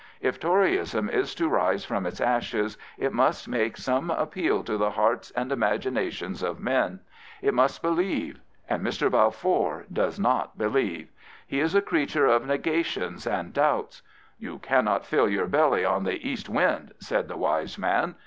If Toryism is to rise from its ashes it must make some appeal to the hearts and imaginations of men. It must believe. And Mr. Balfour does not believe. He is a creature of negations and doubts. " You cannot fill your belly on the east wind,*' said the wise man.